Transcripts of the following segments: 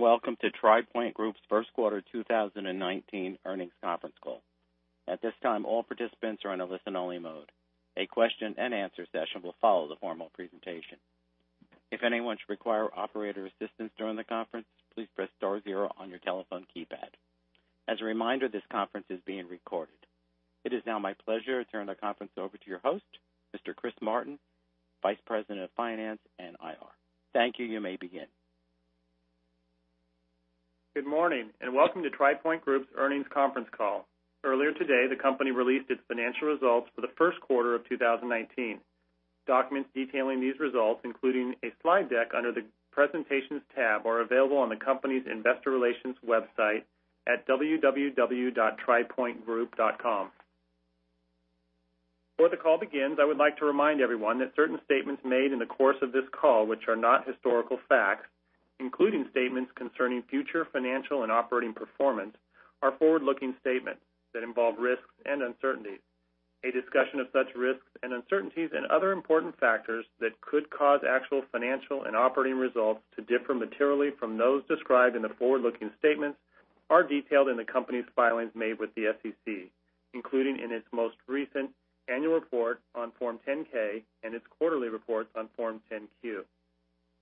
Greetings, and welcome to TRI Pointe Group's first quarter 2019 earnings conference call. At this time, all participants are on a listen-only mode. A question and answer session will follow the formal presentation. If anyone should require operator assistance during the conference, please press star zero on your telephone keypad. As a reminder, this conference is being recorded. It is now my pleasure to turn the conference over to your host, Mr. Chris Martin, Vice President of Finance and IR. Thank you. You may begin. Good morning, and welcome to TRI Pointe Group's earnings conference call. Earlier today, the company released its financial results for the first quarter of 2019. Documents detailing these results, including a slide deck under the presentations tab, are available on the company's investor relations website at www.tripointehomes.com. Before the call begins, I would like to remind everyone that certain statements made in the course of this call, which are not historical facts, including statements concerning future financial and operating performance, are forward-looking statements that involve risks and uncertainties. A discussion of such risks and uncertainties and other important factors that could cause actual financial and operating results to differ materially from those described in the forward-looking statements are detailed in the company's filings made with the SEC, including in its most recent annual report on Form 10-K and its quarterly reports on Form 10-Q.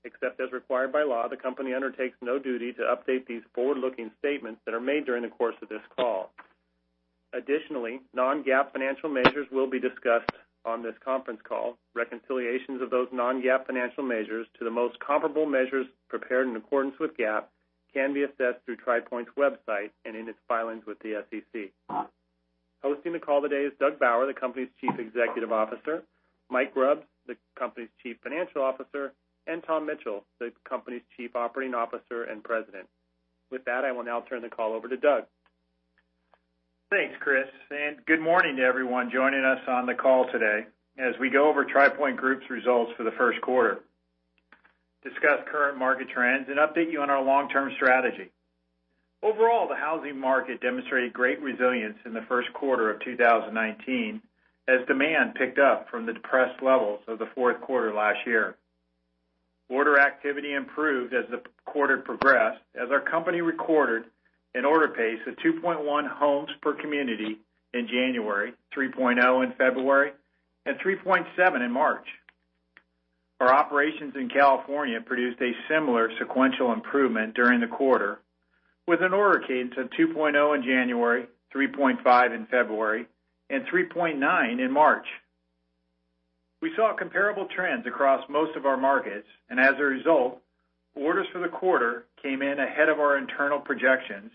Except as required by law, the company undertakes no duty to update these forward-looking statements that are made during the course of this call. Additionally, non-GAAP financial measures will be discussed on this conference call. Reconciliations of those non-GAAP financial measures to the most comparable measures prepared in accordance with GAAP can be assessed through Tri Pointe's website and in its filings with the SEC. Hosting the call today is Doug Bauer, the company's Chief Executive Officer, Mike Grubbs, the company's Chief Financial Officer, and Thomas Mitchell, the company's Chief Operating Officer and President. With that, I will now turn the call over to Doug. Thanks, Chris, and good morning to everyone joining us on the call today as we go over TRI Pointe Group's results for the first quarter, discuss current market trends, and update you on our long-term strategy. Overall, the housing market demonstrated great resilience in the first quarter of 2019 as demand picked up from the depressed levels of the fourth quarter last year. Order activity improved as the quarter progressed as our company recorded an order pace of 2.1 homes per community in January, 3.0 in February, and 3.7 in March. Our operations in California produced a similar sequential improvement during the quarter with an order pace of 2.0 in January, 3.5 in February, and 3.9 in March. We saw comparable trends across most of our markets, as a result, orders for the quarter came in ahead of our internal projections,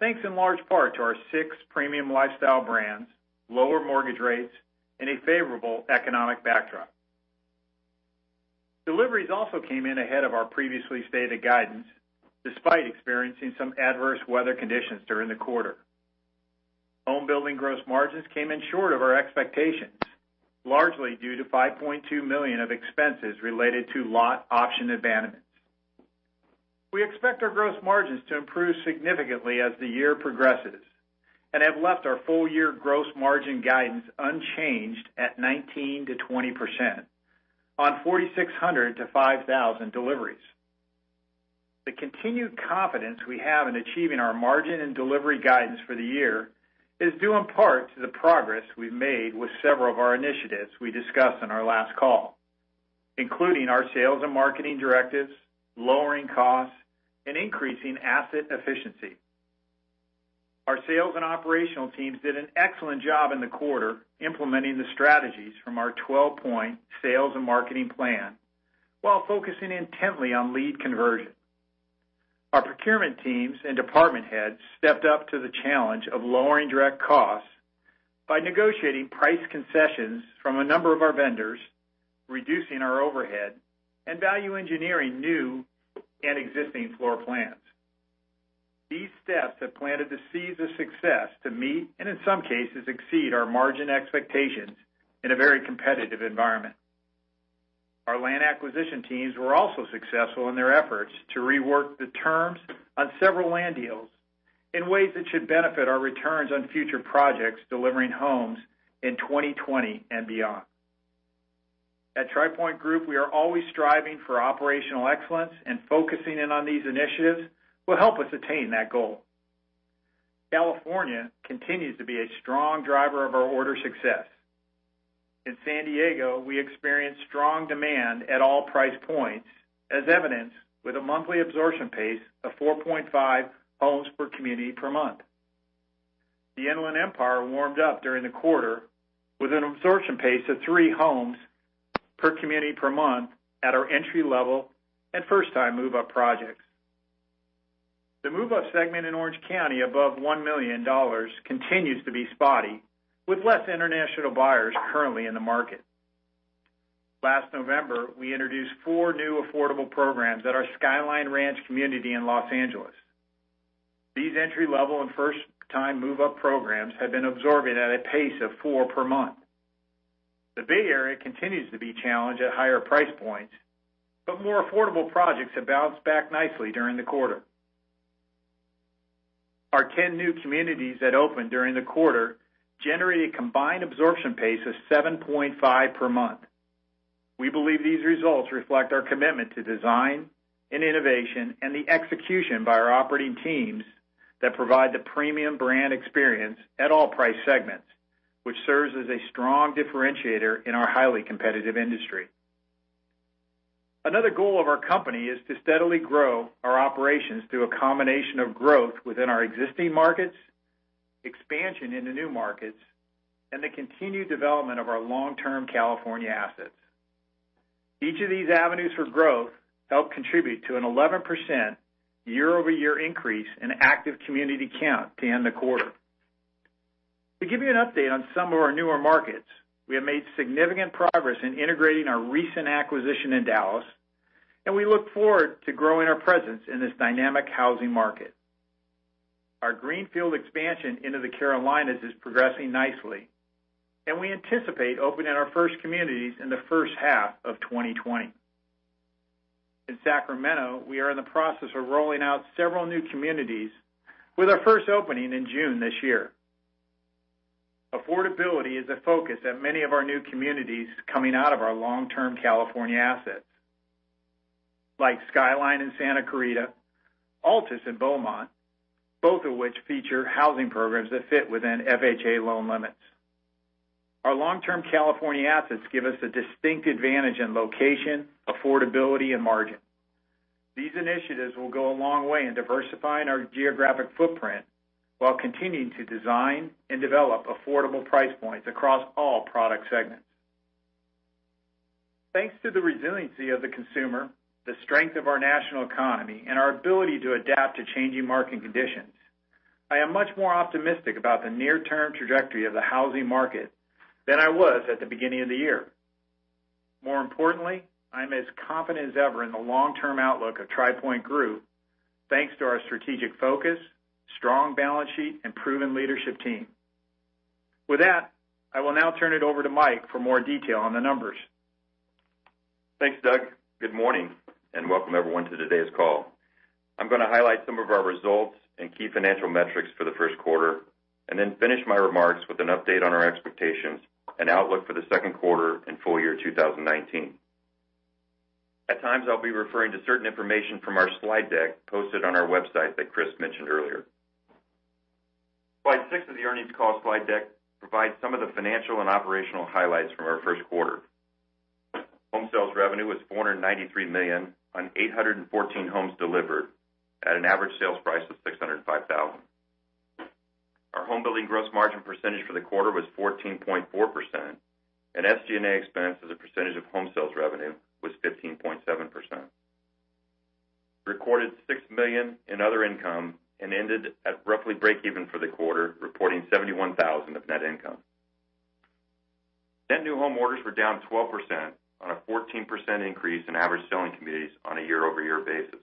thanks in large part to our six premium lifestyle brands, lower mortgage rates, and a favorable economic backdrop. Deliveries also came in ahead of our previously stated guidance, despite experiencing some adverse weather conditions during the quarter. Home building gross margins came in short of our expectations, largely due to $5.2 million of expenses related to lot option abandonments. We expect our gross margins to improve significantly as the year progresses and have left our full-year gross margin guidance unchanged at 19%-20% on 4,600-5,000 deliveries. The continued confidence we have in achieving our margin and delivery guidance for the year is due in part to the progress we've made with several of our initiatives we discussed on our last call, including our sales and marketing directives, lowering costs, and increasing asset efficiency. Our sales and operational teams did an excellent job in the quarter implementing the strategies from our 12-point sales and marketing plan while focusing intently on lead conversion. Our procurement teams and department heads stepped up to the challenge of lowering direct costs by negotiating price concessions from a number of our vendors, reducing our overhead, and value engineering new and existing floor plans. These steps have planted the seeds of success to meet, and in some cases, exceed our margin expectations in a very competitive environment. Our land acquisition teams were also successful in their efforts to rework the terms on several land deals in ways that should benefit our returns on future projects delivering homes in 2020 and beyond. At Tri Pointe Group, we are always striving for operational excellence, and focusing in on these initiatives will help us attain that goal. California continues to be a strong driver of our order success. In San Diego, we experienced strong demand at all price points, as evidenced with a monthly absorption pace of 4.5 homes per community per month. The Inland Empire warmed up during the quarter with an absorption pace of three homes per community per month at our entry-level and first-time move-up projects. The move-up segment in Orange County above $1 million continues to be spotty, with less international buyers currently in the market. Last November, we introduced four new affordable programs at our Skyline Ranch community in Los Angeles. These entry-level and first-time move-up programs have been absorbing at a pace of four per month. The Bay Area continues to be challenged at higher price points, but more affordable projects have bounced back nicely during the quarter. Our 10 new communities that opened during the quarter generated a combined absorption pace of 7.5 per month. We believe these results reflect our commitment to design and innovation, and the execution by our operating teams that provide the premium brand experience at all price segments, which serves as a strong differentiator in our highly competitive industry. Another goal of our company is to steadily grow our operations through a combination of growth within our existing markets, expansion into new markets, and the continued development of our long-term California assets. Each of these avenues for growth help contribute to an 11% year-over-year increase in active community count to end the quarter. To give you an update on some of our newer markets, we have made significant progress in integrating our recent acquisition in Dallas, and we look forward to growing our presence in this dynamic housing market. Our greenfield expansion into the Carolinas is progressing nicely, and we anticipate opening our first communities in the first half of 2020. In Sacramento, we are in the process of rolling out several new communities with our first opening in June this year. Affordability is a focus at many of our new communities coming out of our long-term California assets, like Skyline in Santa Clarita, Altis in Beaumont, both of which feature housing programs that fit within FHA loan limits. Our long-term California assets give us a distinct advantage in location, affordability, and margin. These initiatives will go a long way in diversifying our geographic footprint while continuing to design and develop affordable price points across all product segments. Thanks to the resiliency of the consumer, the strength of our national economy, and our ability to adapt to changing market conditions, I am much more optimistic about the near-term trajectory of the housing market than I was at the beginning of the year. More importantly, I'm as confident as ever in the long-term outlook of Tri Pointe Group, thanks to our strategic focus, strong balance sheet, and proven leadership team. With that, I will now turn it over to Mike for more detail on the numbers. Thanks, Doug. Good morning and welcome everyone to today's call. I'm going to highlight some of our results and key financial metrics for the first quarter, and then finish my remarks with an update on our expectations and outlook for the second quarter and full year 2019. At times, I'll be referring to certain information from our slide deck posted on our website that Chris mentioned earlier. Slide six of the earnings call slide deck provides some of the financial and operational highlights from our first quarter. Home sales revenue was $493 million on 814 homes delivered at an average sales price of $605,000. Our home building gross margin percentage for the quarter was 14.4%, and SG&A expense as a percentage of home sales revenue was 15.7%. We recorded $6 million in other income and ended at roughly break even for the quarter, reporting $71,000 of net income. Net new home orders were down 12% on a 14% increase in average selling communities on a year-over-year basis.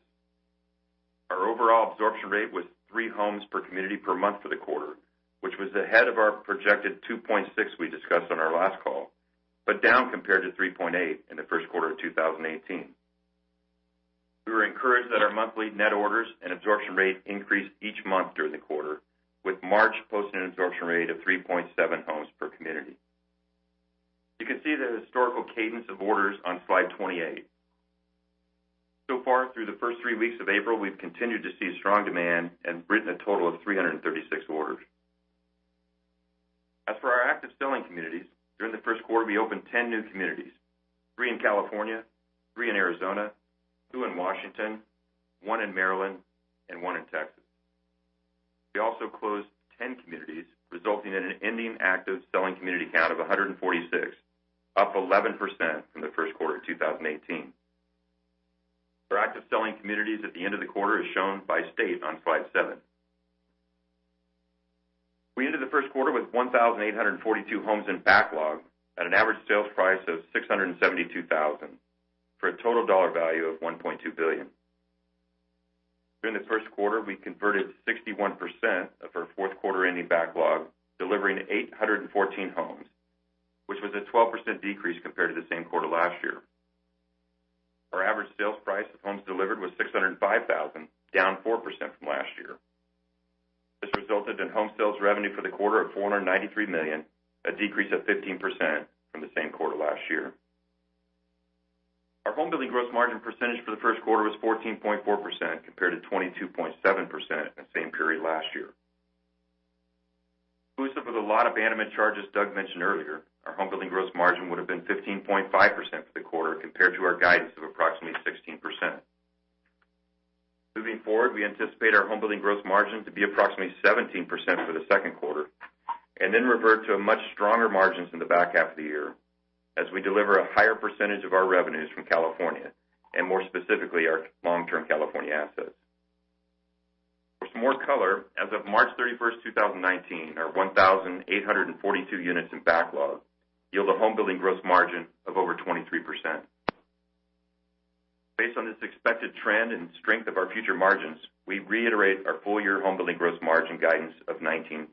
Our overall absorption rate was three homes per community per month for the quarter, which was ahead of our projected 2.6 we discussed on our last call, but down compared to 3.8 in the first quarter of 2018. We were encouraged that our monthly net orders and absorption rate increased each month during the quarter, with March posting an absorption rate of 3.7 homes per community. You can see the historical cadence of orders on slide 28. So far, through the first three weeks of April, we've continued to see strong demand and written a total of 336 orders. As for our active selling communities, during the first quarter, we opened 10 new communities, three in California, three in Arizona, two in Washington, one in Maryland, and one in Texas. We also closed 10 communities, resulting in an ending active selling community count of 146, up 11% from the first quarter of 2018. Our active selling communities at the end of the quarter is shown by state on slide seven. We ended the first quarter with 1,842 homes in backlog at an average sales price of $672,000 for a total dollar value of $1.2 billion. During the first quarter, we converted 61% of our fourth quarter ending backlog, delivering 814 homes, which was a 12% decrease compared to the same quarter last year. Our average sales price of homes delivered was $605,000, down 4% from last year. This resulted in home sales revenue for the quarter of $493 million, a decrease of 15% from the same quarter last year. Our home building gross margin percentage for the first quarter was 14.4% compared to 22.7% in the same period last year. Exclusive of the lot abandonment charges Doug mentioned earlier, our home building gross margin would have been 15.5% for the quarter compared to our guidance of approximately 16%. Moving forward, we anticipate our home building gross margin to be approximately 17% for the second quarter, then revert to much stronger margins in the back half of the year as we deliver a higher percentage of our revenues from California, and more specifically, our long-term California assets. For some more color, as of March 31st, 2019, our 1,842 units in backlog yield a home building gross margin of over 23%. Based on this expected trend and strength of our future margins, we reiterate our full-year home building gross margin guidance of 19%-20%.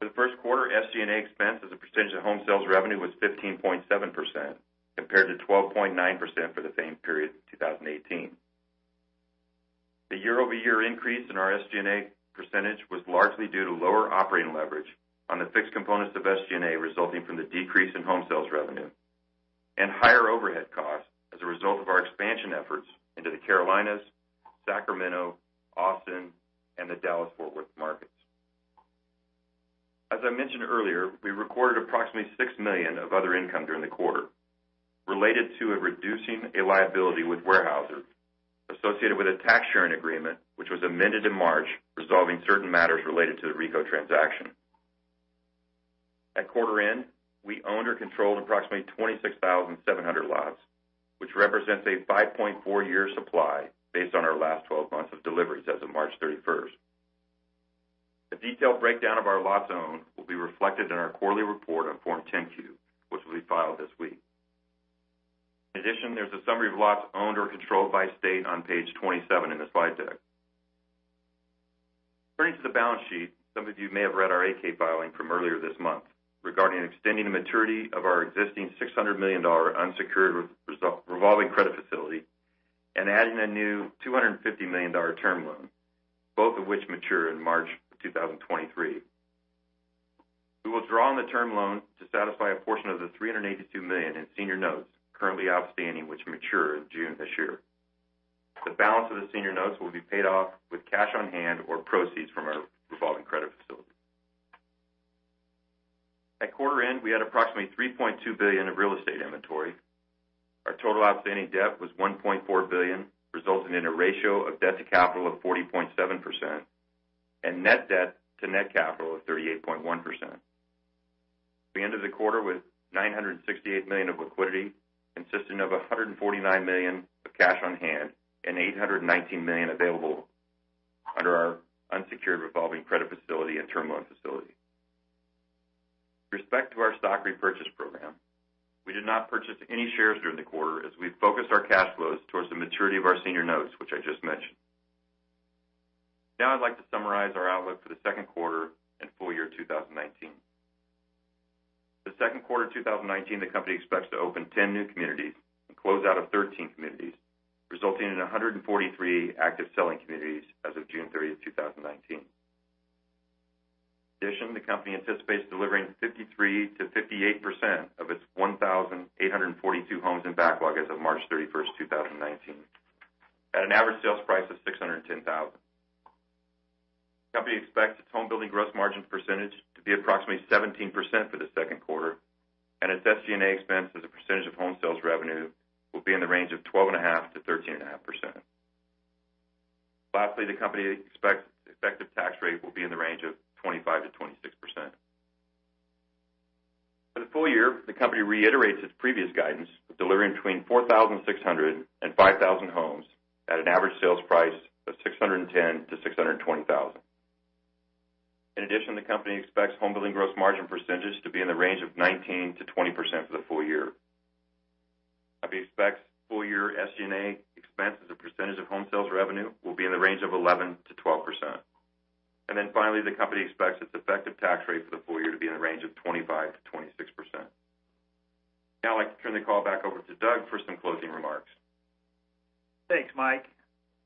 The first quarter SG&A expense as a percentage of home sales revenue was 15.7%, compared to 12.9% for the same period in 2018. The year-over-year increase in our SG&A percentage was largely due to lower operating leverage on the fixed components of SG&A resulting from the decrease in home sales revenue, and higher overhead costs as a result of our expansion efforts into the Carolinas, Sacramento, Austin, and the Dallas-Fort Worth markets. As I mentioned earlier, we recorded approximately $6 million of other income during the quarter related to reducing a liability with Weyerhaeuser associated with a tax sharing agreement, which was amended in March, resolving certain matters related to the WRECO transaction. At quarter end, we owned or controlled approximately 26,700 lots, which represents a 5.4-year supply based on our last 12 months of deliveries as of March 31st. A detailed breakdown of our lots owned will be reflected in our quarterly report on Form 10-Q, which will be filed this week. In addition, there's a summary of lots owned or controlled by state on page 27 in the slide deck. Turning to the balance sheet, some of you may have read our 8-K filing from earlier this month regarding extending the maturity of our existing $600 million unsecured revolving credit facility and adding a new $250 million term loan, both of which mature in March 2023. We will draw on the term loan to satisfy a portion of the $382 million in senior notes currently outstanding, which mature in June this year. The balance of the senior notes will be paid off with cash on hand or proceeds from our revolving credit facility. At quarter end, we had approximately $3.2 billion of real estate inventory. Our total outstanding debt was $1.4 billion, resulting in a ratio of debt to capital of 40.7%, and net debt to net capital of 38.1%. We ended the quarter with $968 million of liquidity, consisting of $149 million of cash on hand and $819 million available under our unsecured revolving credit facility and term loan facility. With respect to our stock repurchase program, we did not purchase any shares during the quarter as we focused our cash flows towards the maturity of our senior notes, which I just mentioned. I'd like to summarize our outlook for the second quarter and full year 2019. The second quarter 2019, the company expects to open 10 new communities and close out of 13 communities, resulting in 143 active selling communities as of June 30th, 2019. In addition, the company anticipates delivering 53%-58% of its 1,842 homes in backlog as of March 31st, 2019, at an average sales price of $610,000. The company expects its homebuilding gross margin percentage to be approximately 17% for the second quarter, and its SG&A expense as a percentage of home sales revenue will be in the range of 12.5%-13.5%. Lastly, the company expects effective tax rate will be in the range of 25%-26%. For the full year, the company reiterates its previous guidance of delivering between 4,600 and 5,000 homes at an average sales price of $610,000-$620,000. In addition, the company expects homebuilding gross margin percentage to be in the range of 19%-20% for the full year. The company expects full year SG&A expense as a percentage of home sales revenue will be in the range of 11%-12%. Finally, the company expects its effective tax rate for the full year to be in the range of 25%-26%. I'd like to turn the call back over to Doug for some closing remarks. Thanks, Mike.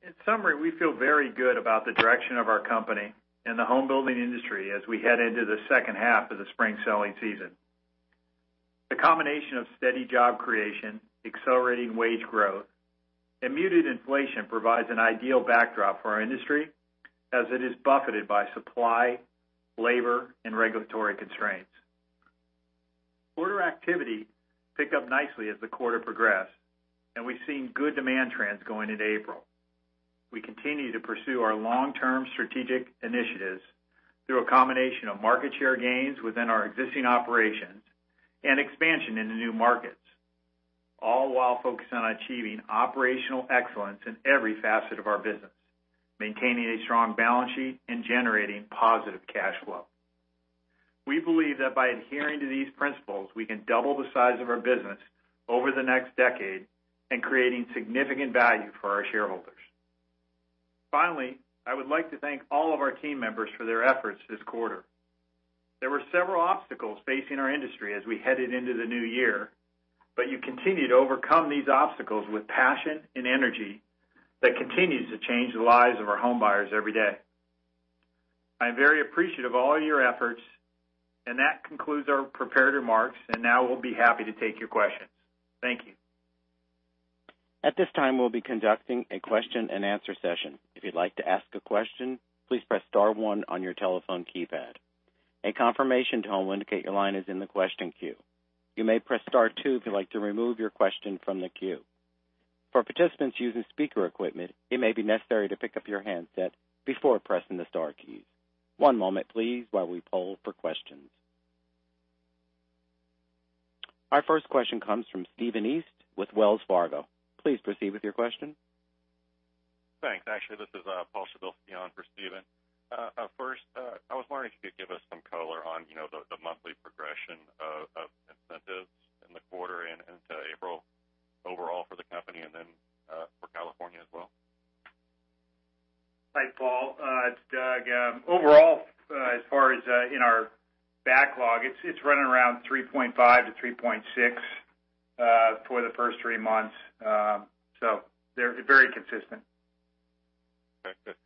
In summary, we feel very good about the direction of our company and the home building industry as we head into the second half of the spring selling season. The combination of steady job creation, accelerating wage growth, and muted inflation provides an ideal backdrop for our industry as it is buffeted by supply, labor, and regulatory constraints. Order activity picked up nicely as the quarter progressed, and we've seen good demand trends going into April. We continue to pursue our long-term strategic initiatives through a combination of market share gains within our existing operations and expansion into new markets, all while focused on achieving operational excellence in every facet of our business, maintaining a strong balance sheet and generating positive cash flow. We believe that by adhering to these principles, we can double the size of our business over the next decade and creating significant value for our shareholders. Finally, I would like to thank all of our team members for their efforts this quarter. There were several obstacles facing our industry as we headed into the new year, but you continued to overcome these obstacles with passion and energy that continues to change the lives of our home buyers every day. I am very appreciative of all your efforts, and that concludes our prepared remarks, and now we'll be happy to take your questions. Thank you. At this time, we'll be conducting a question and answer session. If you'd like to ask a question, please press star one on your telephone keypad. A confirmation tone will indicate your line is in the question queue. You may press star two if you'd like to remove your question from the queue. For participants using speaker equipment, it may be necessary to pick up your handset before pressing the star keys. One moment, please, while we poll for questions. Our first question comes from Stephen East with Wells Fargo. Please proceed with your question. Thanks. Actually, this is Paul Gabelman for Steven. First, I was wondering if you could give us some color on the monthly progression of incentives overall for the company, and then for California as well. Hi, Paul. It's Doug. Overall, as far as in our backlog, it's running around 3.5-3.6 for the first three months. They're very consistent. Okay. Good.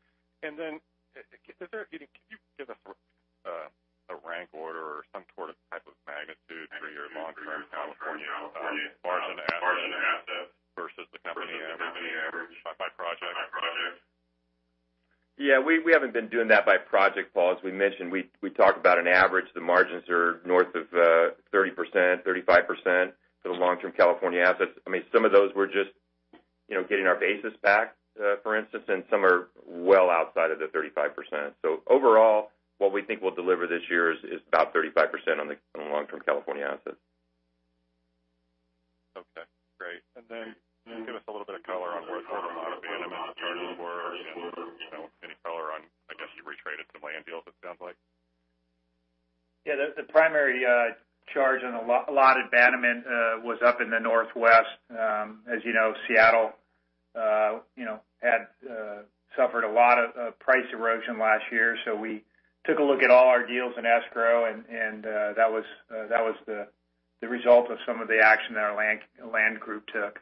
Then, can you give us a rank order or some sort of type of magnitude for your long-term California margin asset versus the company average by project? Yeah, we haven't been doing that by project, Paul. As we mentioned, we talk about an average. The margins are north of 30%, 35% for the long-term California assets. Some of those we're just getting our basis back, for instance, and some are well outside of the 35%. Overall, what we think we'll deliver this year is about 35% on the long-term California assets. Okay, great. Then can you give us a little bit of color on where the lot abandonment charges were and any color on, I guess, you retraded some land deals, it sounds like? Yeah, the primary charge on a lot abandonment was up in the Northwest. As you know, Seattle had suffered a lot of price erosion last year. We took a look at all our deals in escrow, and that was the result of some of the action that our land group took.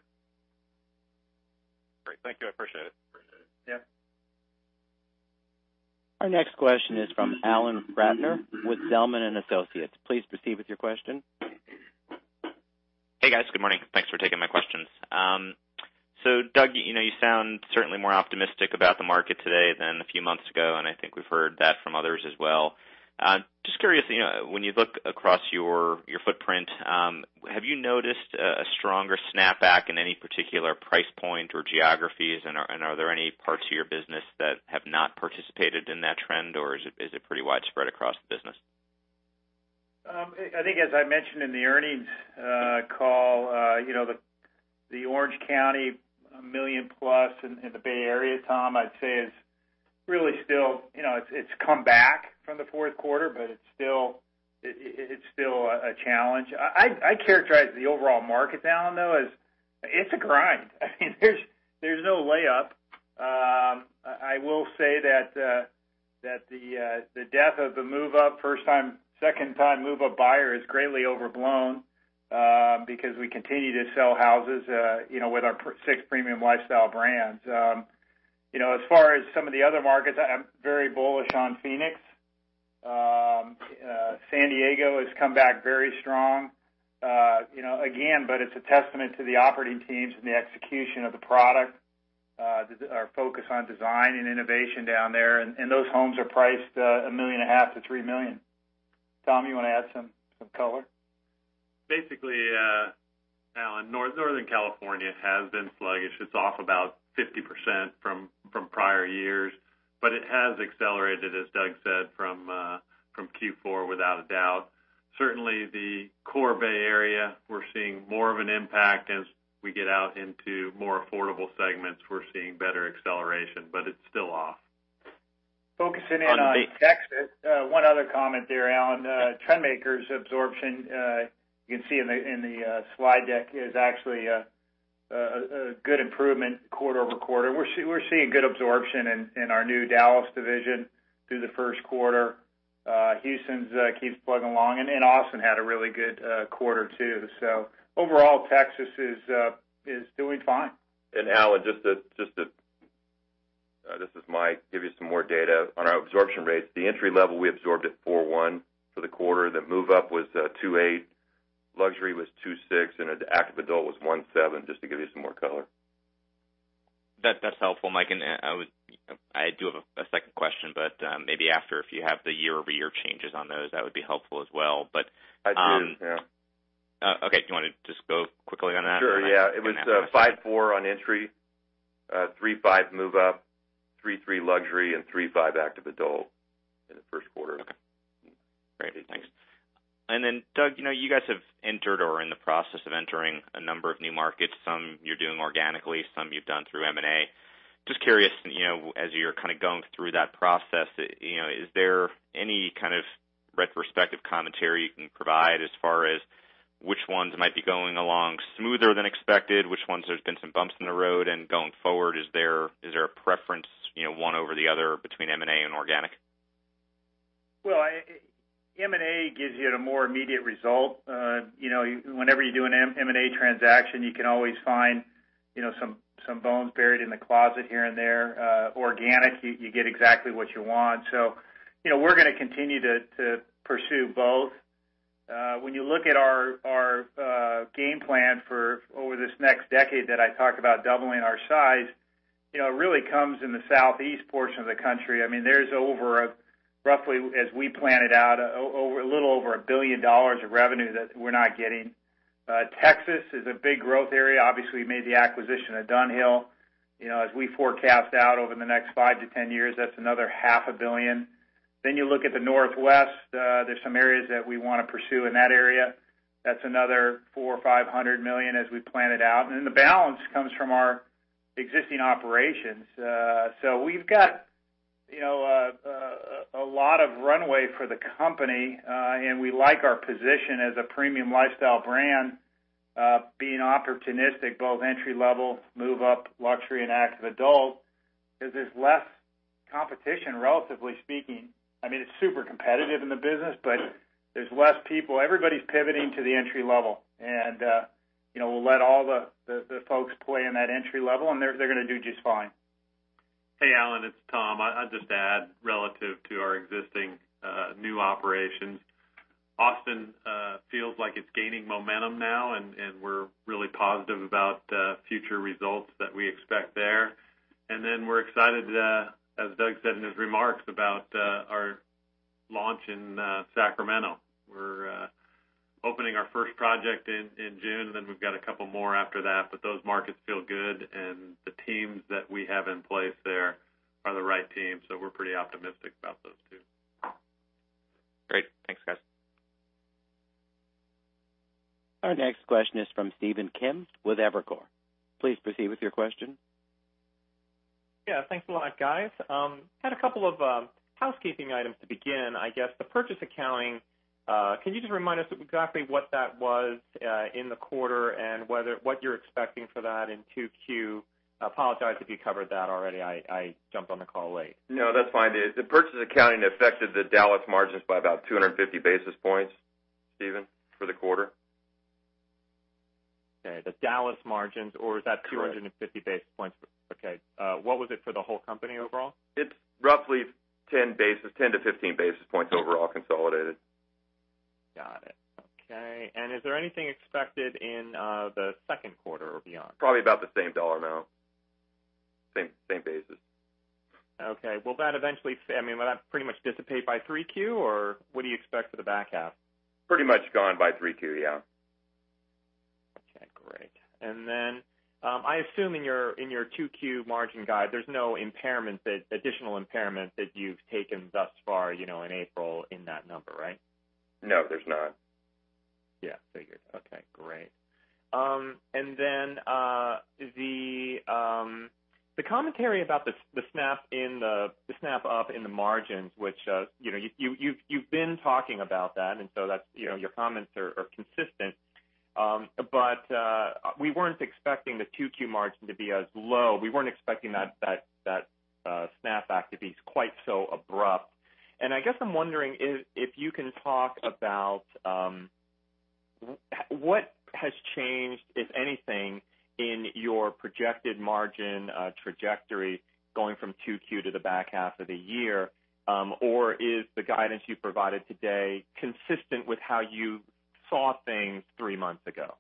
Great. Thank you. I appreciate it. Yeah. Our next question is from Alan Ratner with Zelman & Associates. Please proceed with your question. Hey, guys. Good morning. Thanks for taking my questions. Doug, you sound certainly more optimistic about the market today than a few months ago, and I think we've heard that from others as well. Just curious, when you look across your footprint, have you noticed a stronger snap back in any particular price point or geographies? Are there any parts of your business that have not participated in that trend, or is it pretty widespread across the business? I think, as I mentioned in the earnings call, the Orange County million plus in the Bay Area, Tom, I'd say it's come back from the fourth quarter, but it's still a challenge. I'd characterize the overall market down, though, as it's a grind. There's no layup. I will say that the death of the move-up first time, second time move-up buyer is greatly overblown, because we continue to sell houses with our six premium lifestyle brands. As far as some of the other markets, I'm very bullish on Phoenix. San Diego has come back very strong again, but it's a testament to the operating teams and the execution of the product, our focus on design and innovation down there, and those homes are priced $1.5 million to $3 million. Tom, you want to add some color? Alan, Northern California has been sluggish. It's off about 50% from prior years, it has accelerated, as Doug said, from Q4, without a doubt. Certainly, the core Bay Area, we're seeing more of an impact as we get out into more affordable segments. We're seeing better acceleration, it's still off. Focusing in on Texas, one other comment there, Alan. Trendmaker's absorption, you can see in the slide deck, is actually a good improvement quarter-over-quarter. We're seeing good absorption in our new Dallas division through the first quarter. Houston keeps plugging along, Austin had a really good quarter, too. Overall, Texas is doing fine. Alan, this is Mike. Give you some more data on our absorption rates. The entry level we absorbed at 4.1 for the quarter. The move-up was 2.8, luxury was 2.6, and the active adult was 1.7, just to give you some more color. That's helpful, Mike. I do have a second question, maybe after, if you have the year-over-year changes on those, that would be helpful as well. I do, yeah. Okay. Do you want to just go quickly on that? Sure. Yeah. It was five four on entry, three five move-up, three three luxury, and three five active adult in the first quarter. Okay, great. Thanks. Then Doug Bauer, you guys have entered or are in the process of entering a number of new markets. Some you're doing organically, some you've done through M&A. Just curious, as you're kind of going through that process, is there any kind of retrospective commentary you can provide as far as which ones might be going along smoother than expected, which ones there's been some bumps in the road? Going forward, is there a preference, one over the other between M&A and organic? M&A gives you a more immediate result. Whenever you do an M&A transaction, you can always find some bones buried in the closet here and there. Organic, you get exactly what you want. We're going to continue to pursue both. When you look at our game plan for over this next decade that I talked about doubling our size, really comes in the southeast portion of the country. There's over, roughly as we planned it out, a little over $1 billion of revenue that we're not getting. Texas is a big growth area. Obviously, we made the acquisition of Dunhill. As we forecast out over the next 5 to 10 years, that's another $0.5 billion. You look at the Northwest. There's some areas that we want to pursue in that area. That's another $400 million or $500 million as we plan it out. The balance comes from our existing operations. We've got a lot of runway for the company, and we like our position as a premium lifestyle brand, being opportunistic, both entry-level, move-up, luxury, and active adult, because there's less competition, relatively speaking. It's super competitive in the business, but there's less people. Everybody's pivoting to the entry level, and we'll let all the folks play in that entry level, and they're going to do just fine. Hey, Alan, it's Tom. I'd just add, relative to our existing new operations. Austin feels like it's gaining momentum now, and we're really positive about future results that we expect there. We're excited, as Doug said in his remarks, about our launch in Sacramento. We're opening our first project in June, then we've got a couple more after that, but those markets feel good, and the teams that we have in place there are the right teams, so we're pretty optimistic about those two. Great. Thanks, guys. Our next question is from Stephen Kim with Evercore. Please proceed with your question. Yeah. Thanks a lot, guys. Had two housekeeping items to begin. I guess the purchase accounting, can you just remind us exactly what that was in the quarter and what you're expecting for that in 2Q? Apologize if you covered that already. I jumped on the call late. No, that's fine. The purchase accounting affected the Dallas margins by about 250 basis points, Stephen, for the quarter. Okay, the Dallas margins, or is that? Correct 250 basis points. Okay. What was it for the whole company overall? It's roughly 10 to 15 basis points overall consolidated. Got it. Okay. Is there anything expected in the second quarter or beyond? Probably about the same dollar amount. Same basis. Okay. Will that pretty much dissipate by 3Q, or what do you expect for the back half? Pretty much gone by 3Q, yeah. Okay, great. I assume in your 2Q margin guide, there's no additional impairment that you've taken thus far in April in that number, right? No, there's not. Yeah, figured. Okay, great. The commentary about the snap-up in the margins, which you've been talking about that, so your comments are consistent. We weren't expecting the 2Q margin to be as low. We weren't expecting that snap-back to be quite so abrupt. I guess I'm wondering if you can talk about what has changed, if anything, in your projected margin trajectory going from 2Q to the back half of the year? Is the guidance you provided today consistent with how you saw things three months ago?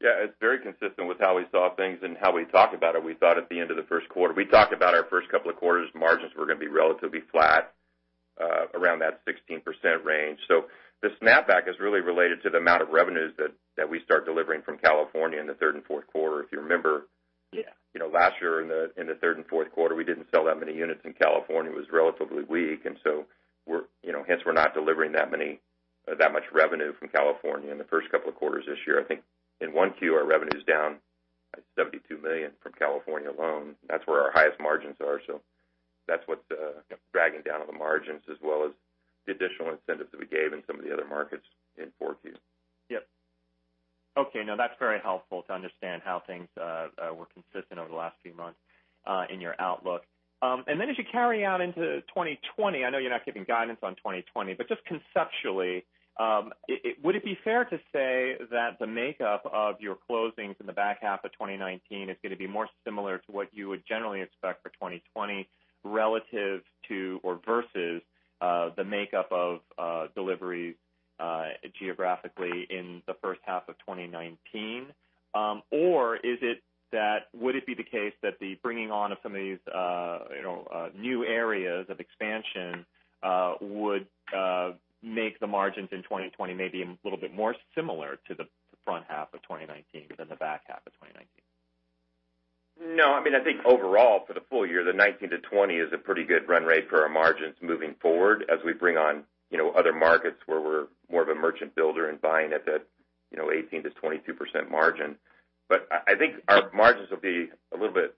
Yeah, it's very consistent with how we saw things and how we talked about it. We thought at the end of the first quarter. We talked about our first couple of quarters, margins were going to be relatively flat, around that 16% range. The snap-back is really related to the amount of revenues that we start delivering from California in the third and fourth quarter. If you remember- Yeah last year in the third and fourth quarter, we didn't sell that many units in California. It was relatively weak, so we're not delivering that much revenue from California in the first couple of quarters this year. I think in 1Q, our revenue's down $72 million from California alone. That's where our highest margins are. That's what's dragging down on the margins as well as the additional incentives that we gave in some of the other markets in 4Q. Yep. Okay. That's very helpful to understand how things were consistent over the last few months in your outlook. As you carry out into 2020, I know you're not giving guidance on 2020, but just conceptually, would it be fair to say that the makeup of your closings in the back half of 2019 is going to be more similar to what you would generally expect for 2020 relative to or versus, the makeup of deliveries geographically in the first half of 2019? Would it be the case that the bringing on of some of these new areas of expansion would make the margins in 2020 maybe a little bit more similar to the front half of 2019 than the back half of 2019? No. I think overall for the full year, the 2019 to 2020 is a pretty good run rate for our margins moving forward as we bring on other markets where we're more of a merchant builder and buying at that 18%-22% margin. I think our margins will be a little bit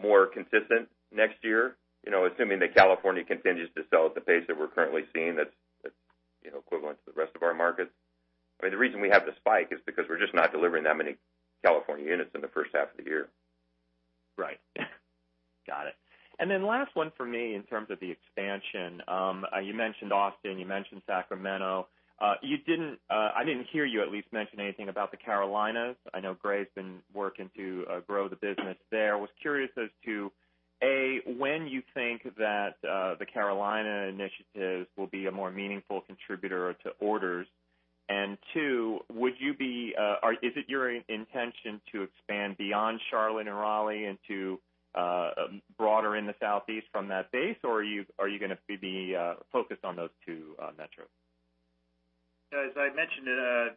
more consistent next year, assuming that California continues to sell at the pace that we're currently seeing, that's equivalent to the rest of our markets. The reason we have the spike is because we're just not delivering that many California units in the first half of the year. Right. Got it. Last one for me in terms of the expansion. You mentioned Austin, you mentioned Sacramento. I didn't hear you at least mention anything about the Carolinas. I know Gray's been working to grow the business there. Was curious as to, A, when you think that the Carolina initiatives will be a more meaningful contributor to orders. Two, is it your intention to expand beyond Charlotte and Raleigh into broader in the Southeast from that base, or are you going to be focused on those two metros? As I mentioned,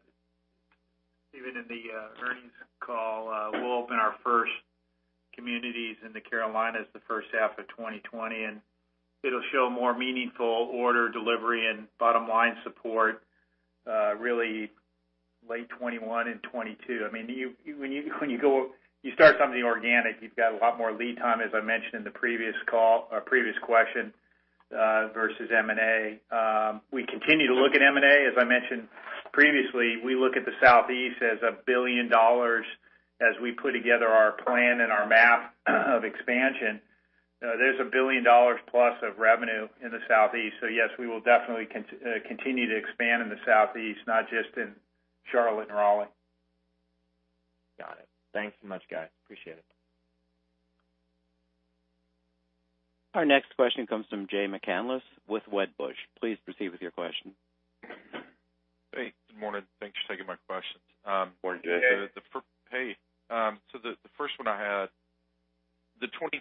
Stephen, in the earnings call, we'll open our first communities in the Carolinas the first half of 2020, and it'll show more meaningful order delivery and bottom-line support really late 2021 and 2022. When you start something organic, you've got a lot more lead time, as I mentioned in the previous question, versus M&A. We continue to look at M&A. As I mentioned previously, we look at the Southeast as a $1 billion as we put together our plan and our map of expansion. There's a $1 billion plus of revenue in the Southeast. Yes, we will definitely continue to expand in the Southeast, not just in Charlotte and Raleigh. Got it. Thanks so much, guys. Appreciate it. Our next question comes from Jay McCanless with Wedbush. Please proceed with your question. Hey, good morning. Thanks for taking my questions. Morning, Jay. Hey. The first one I had, the 23%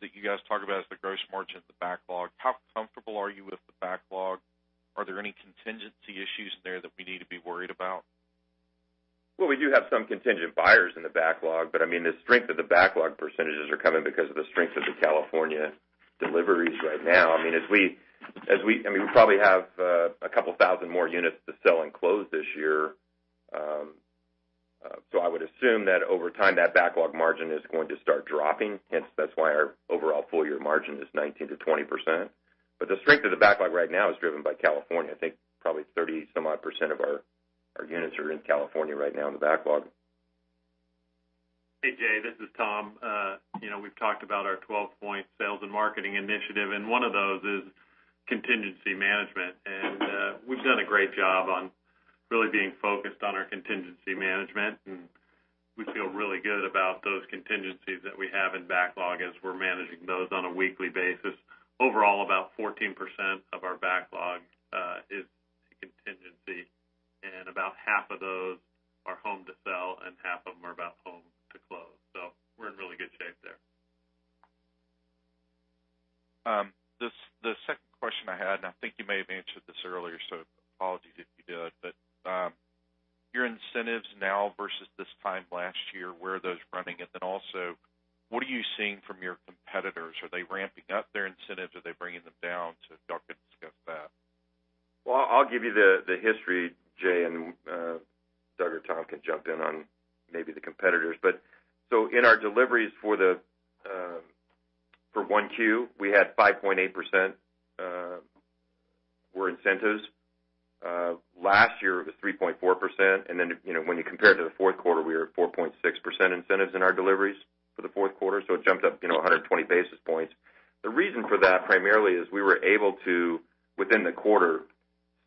that you guys talk about as the gross margin of the backlog, how comfortable are you with the backlog? Are there any contingency issues there that we need to be worried about? Well, we do have some contingent buyers in the backlog, but the strength of the backlog percentages are coming because of the strength of the California deliveries right now. We probably have a couple thousand more units to sell and close this year. I would assume that over time, that backlog margin is going to start dropping, hence that's why our overall full-year margin is 19%-20%. The strength of the backlog right now is driven by California. I think probably 30-some-odd% of our units are in California right now in the backlog. Hey, Jay, this is Tom. We've talked about our 12-point Sales and Marketing Initiative, one of those is contingency management. We've done a great job on really being focused on our contingency management, and we feel really good about those contingencies that we have in backlog as we're managing those on a weekly basis. Overall, about 14% of our backlog is contingency, about half of those are home to sell and half of them are about home to close. We're in really good shape there. The second question I had, I think you may have answered this earlier, apologies if you did, your incentives now versus this time last year, where are those running? Also, what are you seeing from your competitors? Are they ramping up their incentives? Are they bringing them down? If y'all could discuss that. Well, I'll give you the history, Jay, Doug or Tom can jump in on maybe the competitors. In our deliveries for 1Q, we had 5.8% were incentives. Last year, it was 3.4%, when you compare it to the fourth quarter, we were at 4.6% incentives in our deliveries for the fourth quarter. It jumped up 120 basis points. The reason for that primarily is we were able to, within the quarter,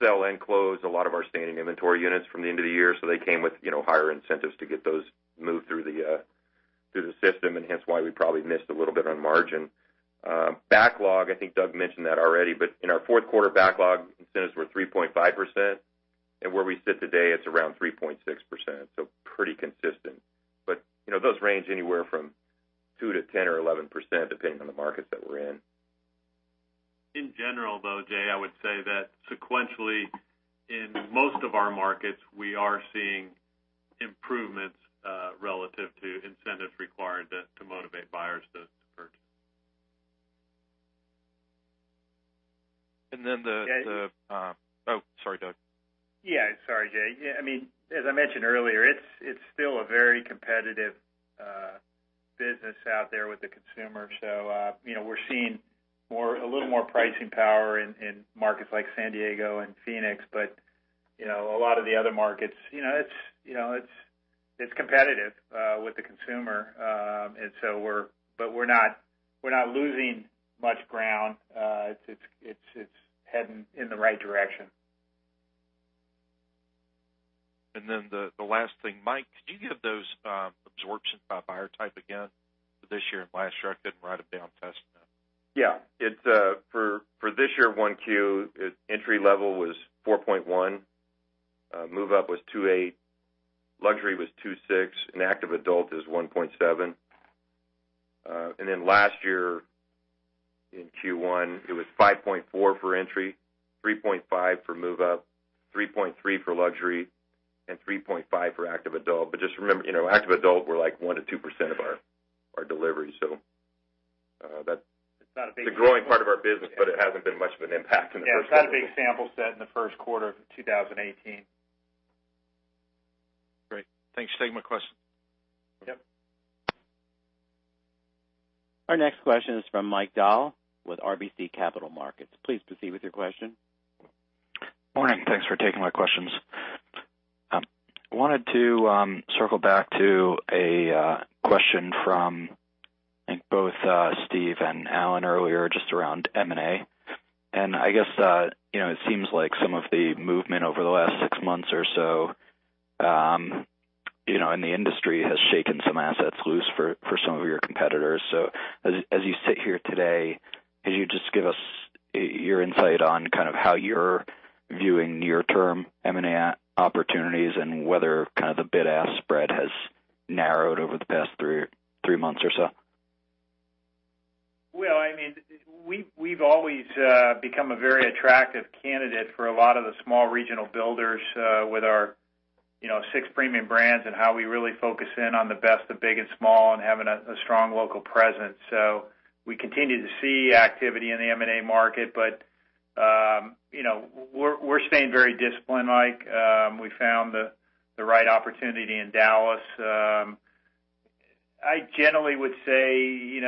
sell and close a lot of our standing inventory units from the end of the year, they came with higher incentives to get those moved through the system, hence why we probably missed a little bit on margin. Backlog, I think Doug mentioned that already, in our fourth quarter backlog, incentives were 3.5%, where we sit today, it's around 3.6%, pretty consistent. Those range anywhere from 2% to 10% or 11%, depending on the markets that we're in. In general, though, Jay, I would say that sequentially, in most of our markets, we are seeing improvements relative to incentives required to motivate buyers to purchase. Oh, sorry, Doug. Yeah, sorry, Jay. As I mentioned earlier, it's still a very competitive business out there with the consumer. So, we're seeing a little more pricing power in markets like San Diego and Phoenix, but a lot of the other markets, it's competitive with the consumer. We're not losing much ground. It's heading in the right direction. The last thing, Mike, could you give those absorption by buyer type again for this year and last year? I couldn't write them down fast enough. Yeah. For this year, 1Q, entry level was 4.1. Move-up was 2.8. Luxury was 2.6, active adult is 1.7. Then last year in Q1, it was 5.4 for entry, 3.5 for move-up, 3.3 for luxury, and 3.5 for active adult. Just remember, active adult were 1%-2% of our deliveries. It's a growing part of our business, but it hasn't been much of an impact in the first quarter. Yeah, it's not a big sample set in the first quarter of 2018. Great. Thanks. Save my question. Yep. Our next question is from Michael Dahl with RBC Capital Markets. Please proceed with your question. Morning. Thanks for taking my questions. I wanted to circle back to a question from, I think, both Steve and Alan earlier, just around M&A. I guess, it seems like some of the movement over the last six months or so in the industry has shaken some assets loose for some of your competitors. As you sit here today, can you just give us your insight on how you're viewing near-term M&A opportunities and whether the bid-ask spread has narrowed over the past three months or so? Well, we've always become a very attractive candidate for a lot of the small regional builders with our six premium brands and how we really focus in on the best of big and small and having a strong local presence. We continue to see activity in the M&A market. We're staying very disciplined, Mike. We found the right opportunity in Dallas. I generally would say,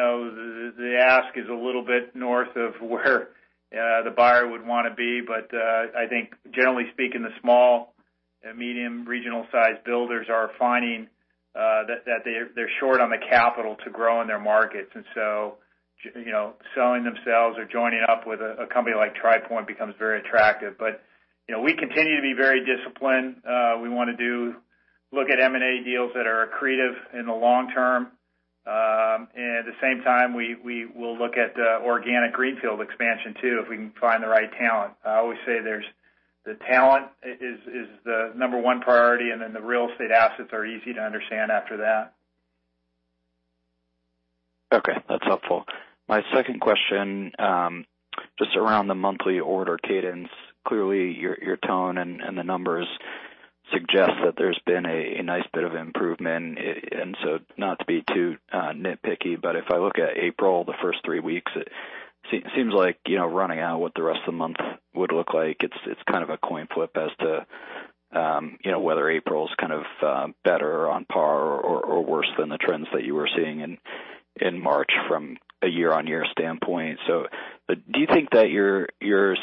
the ask is a little bit north of where the buyer would want to be. I think generally speaking, the small and medium regional-sized builders are finding that they're short on the capital to grow in their markets. Selling themselves or joining up with a company like Tri Pointe becomes very attractive. We continue to be very disciplined. We want to look at M&A deals that are accretive in the long term. At the same time, we will look at organic greenfield expansion too if we can find the right talent. I always say the talent is the number 1 priority, the real estate assets are easy to understand after that. Okay. That's helpful. My second question, just around the monthly order cadence. Clearly, your tone and the numbers suggest that there's been a nice bit of improvement. Not to be too nitpicky, but if I look at April, the first three weeks, it seems like running out what the rest of the month would look like. It's kind of a coin flip as to whether April's kind of better on par or worse than the trends that you were seeing in March from a year-over-year standpoint. Do you think that you're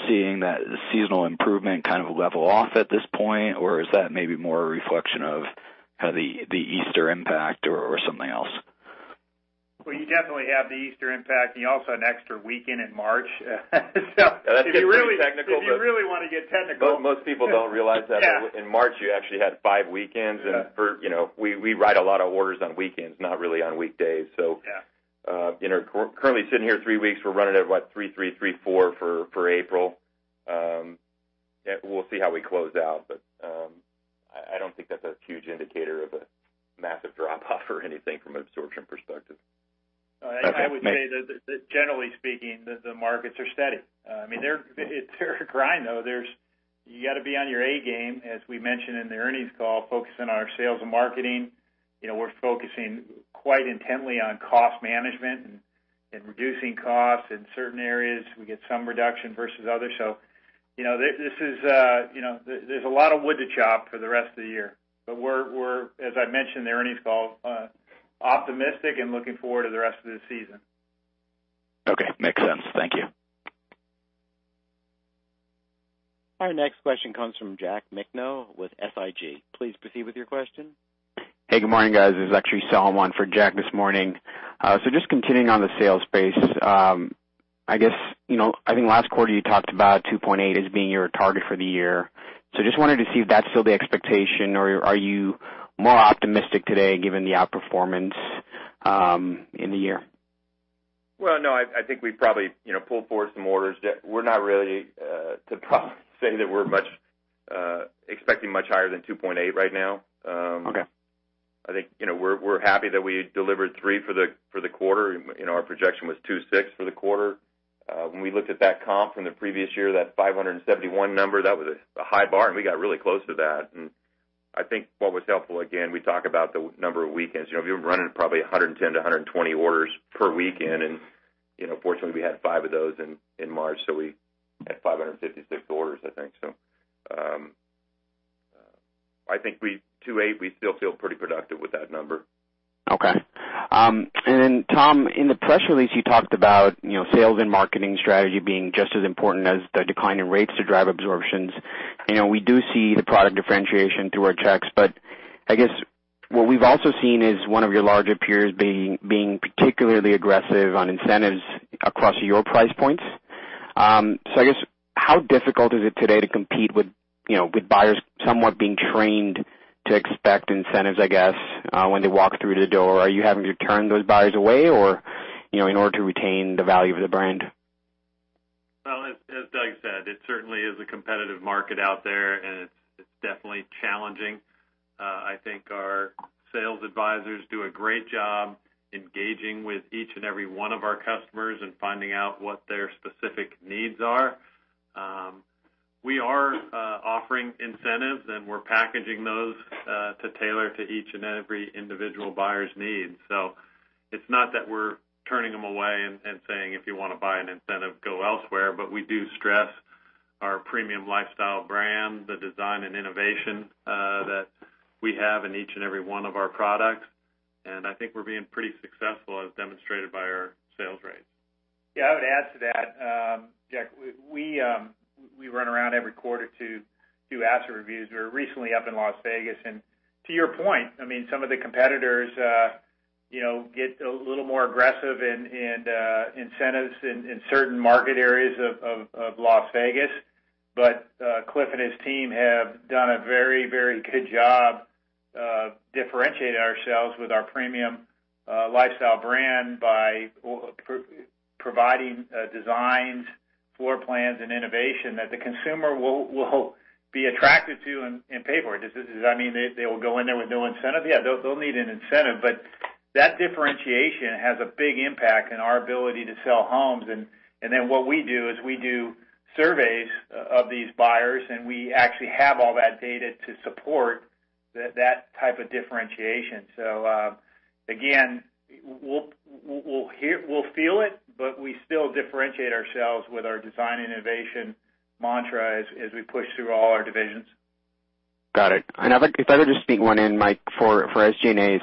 seeing that seasonal improvement kind of level off at this point, or is that maybe more a reflection of the Easter impact or something else? Well, you definitely have the Easter impact. You also have an extra weekend in March. That's getting pretty technical. If you really want to get technical. Most people don't realize that in March you actually had five weekends, and we write a lot of orders on weekends, not really on weekdays. Yeah. Currently sitting here three weeks, we're running at what, three three four for April. We'll see how we close out. I don't think that's a huge indicator of a massive drop-off or anything from an absorption perspective. I would say that generally speaking, the markets are steady. It's a grind, though. You got to be on your A game, as we mentioned in the earnings call, focusing on our sales and marketing. We're focusing quite intently on cost management and reducing costs in certain areas. We get some reduction versus others. There's a lot of wood to chop for the rest of the year. We're, as I mentioned in the earnings call, optimistic and looking forward to the rest of the season. Okay. Makes sense. Thank you. Our next question comes from Jack Micenko with SIG. Please proceed with your question. Hey, good morning, guys. This is actually Salman for Jack this morning. Just continuing on the sales pace. I think last quarter you talked about 2.8 as being your target for the year. I just wanted to see if that's still the expectation or are you more optimistic today given the outperformance in the year? Well, no, I think we probably pulled forward some orders. We're not really to probably say that we're expecting much higher than 2.8 right now. Okay. I think we're happy that we delivered three for the quarter, our projection was 2.6 for the quarter. When we looked at that comp from the previous year, that 571 number, that was a high bar, and we got really close to that. I think what was helpful, again, we talk about the number of weekends. If you're running probably 110 to 120 orders per weekend, fortunately we had five of those in March, we had 556 orders, I think. I think 2.8, we still feel pretty productive with that number. Tom, in the press release, you talked about sales and marketing strategy being just as important as the decline in rates to drive absorptions. We do see the product differentiation through our checks, I guess what we've also seen is one of your larger peers being particularly aggressive on incentives across your price points. I guess, how difficult is it today to compete with buyers somewhat being trained to expect incentives, I guess, when they walk through the door? Are you having to turn those buyers away in order to retain the value of the brand? As Doug said, it certainly is a competitive market out there, it's definitely challenging. I think our sales advisors do a great job engaging with each and every one of our customers and finding out what their specific needs are. We are offering incentives, we're packaging those to tailor to each and every individual buyer's needs. It's not that we're turning them away and saying, "If you want to buy an incentive, go elsewhere," we do stress our premium lifestyle brand, the design, and innovation that we have in each and every one of our products, I think we're being pretty successful as demonstrated by our sales rates. Yeah, I would add to that, Jack. We run around every quarter to do asset reviews. We were recently up in Las Vegas, to your point, some of the competitors get a little more aggressive in incentives in certain market areas of Las Vegas. Cliff and his team have done a very good job differentiating ourselves with our premium lifestyle brand by providing designs, floor plans, and innovation that the consumer will be attracted to and pay for it. Does that mean they will go in there with no incentive? Yeah, they'll need an incentive, that differentiation has a big impact on our ability to sell homes. What we do is we do surveys- Of these buyers, we actually have all that data to support that type of differentiation. Again, we'll feel it, we still differentiate ourselves with our design innovation mantra as we push through all our divisions. Got it. If I could just sneak one in, Mike, for SG&A.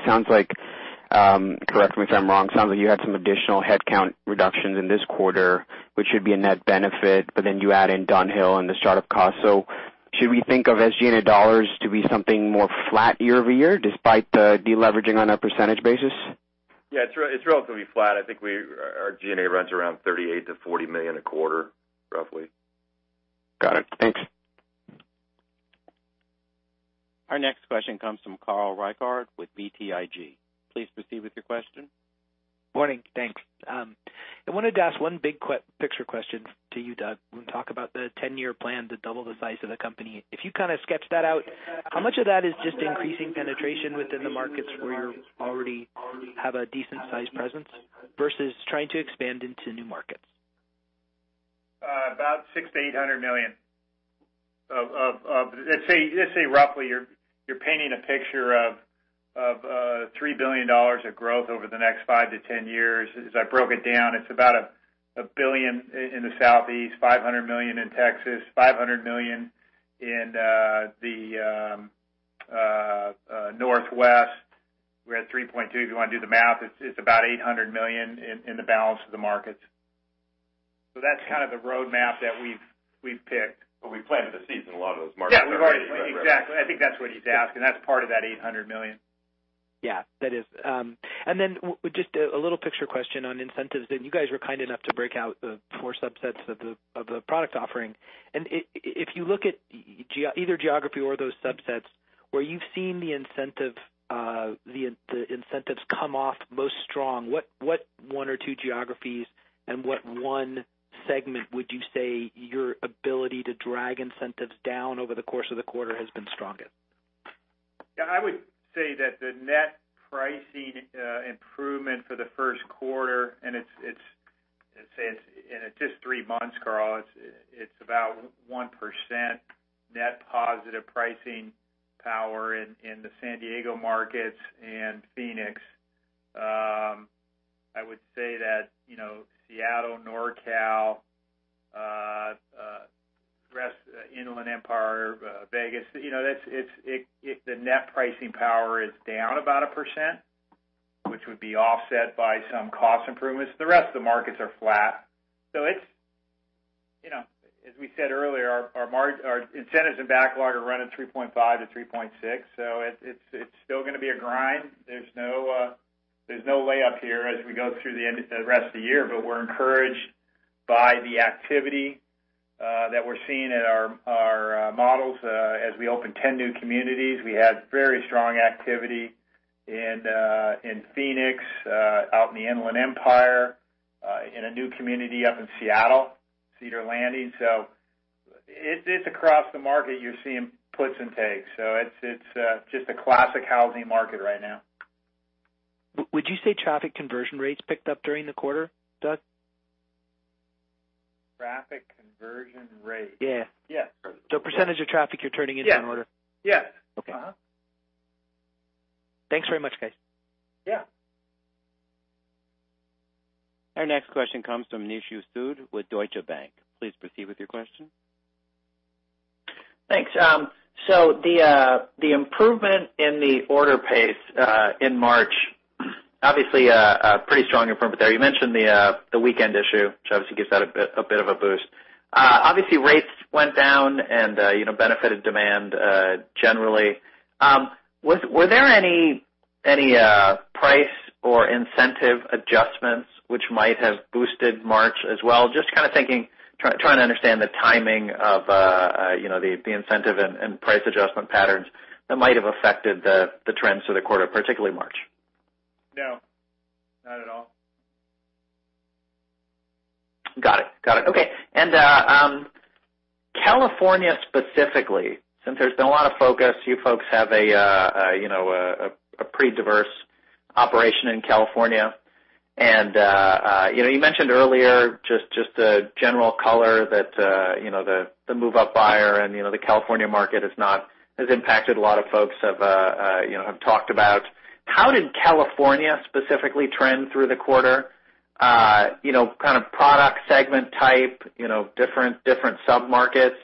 Correct me if I'm wrong, sounds like you had some additional headcount reductions in this quarter, which should be a net benefit, but then you add in Dunhill and the startup cost. Should we think of SG&A dollars to be something more flat year-over-year, despite the de-leveraging on a percentage basis? Yeah, it's relatively flat. I think our G&A runs around $38 million-$40 million a quarter, roughly. Got it. Thanks. Our next question comes from Carl Reichardt with BTIG. Please proceed with your question. Morning. Thanks. I wanted to ask one big picture question to you, Doug. When you talk about the 10-year plan to double the size of the company, if you kind of sketch that out, how much of that is just increasing penetration within the markets where you already have a decent size presence versus trying to expand into new markets? About $600 million-$800 million. Let's say roughly, you're painting a picture of $3 billion of growth over the next 5-10 years. As I broke it down, it's about $1 billion in the Southeast, $500 million in Texas, $500 million in the Northwest. We're at $3.2 billion. If you want to do the math, it's about $800 million in the balance of the markets. That's kind of the roadmap that we've picked. We planted the seeds in a lot of those markets. Yeah. Exactly. I think that's what he's asking. That's part of that $800 million. Yeah, that is. Just a little picture question on incentives. You guys were kind enough to break out the four subsets of the product offering. If you look at either geography or those subsets, where you've seen the incentives come off most strong, what one or two geographies and what one segment would you say your ability to drag incentives down over the course of the quarter has been strongest? I would say that the net pricing improvement for the first quarter, it's just three months, Carl. It's about 1% net positive pricing power in the San Diego markets and Phoenix. I would say that Seattle, NorCal, Inland Empire, Vegas, the net pricing power is down about 1%, which would be offset by some cost improvements. The rest of the markets are flat. As we said earlier, our incentives and backlog are running 3.5-3.6, it's still going to be a grind. There's no lay up here as we go through the rest of the year, we're encouraged by the activity that we're seeing in our models. As we open 10 new communities, we had very strong activity in Phoenix, out in the Inland Empire, in a new community up in Seattle, Cedar Landing. It's across the market you're seeing puts and takes. It's just a classic housing market right now. Would you say traffic conversion rates picked up during the quarter, Doug? Traffic conversion rate? Yeah. Yes. % of traffic you're turning into an order. Yes. Okay. Thanks very much, guys. Yeah. Our next question comes from Nishu Sood with Deutsche Bank. Please proceed with your question. Thanks. The improvement in the order pace in March, obviously a pretty strong improvement there. You mentioned the weekend issue, which obviously gives that a bit of a boost. Rates went down and benefited demand generally. Were there any price or incentive adjustments which might have boosted March as well? Just kind of trying to understand the timing of the incentive and price adjustment patterns that might have affected the trends for the quarter, particularly March. No, not at all. Got it. Okay. California specifically, since there's been a lot of focus, you folks have a pretty diverse operation in California, and you mentioned earlier just a general color that the move-up buyer and the California market has impacted a lot of folks have talked about. How did California specifically trend through the quarter? Kind of product segment type, different sub-markets.